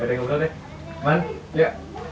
ya udah ngobrol deh kemaren ya